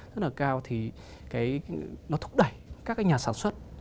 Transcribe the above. rất là cao thì nó thúc đẩy các nhà sản xuất